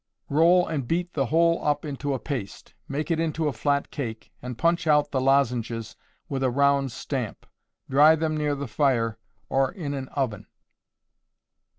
Roll and beat the whole up into a paste; make it into a flat cake, and punch out the lozenges with a round stamp; dry them near the fire, or in an oven.